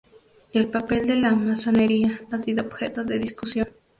El papel de la masonería ha sido objeto de discusión.